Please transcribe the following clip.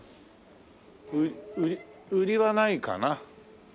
売りはないかな？